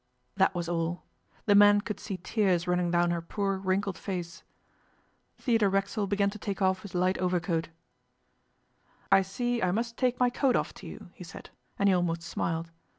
That was all. The men could see tears running down her poor wrinkled face. Theodore Racksole began to take off his light overcoat. 'I see I must take my coat off to you,' he said, and he almost smiled.